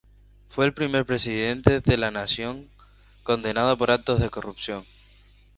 Fue el primer Presidente de la Nación condenado por actos de corrupción.